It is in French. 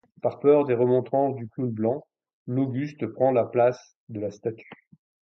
Par peur des remontrances du clown blanc, l'Auguste prend la place de la statue.